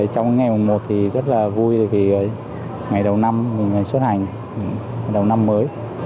trong ngày mùng một thì rất là vui vì ngày đầu năm mình xuất hành đầu năm mới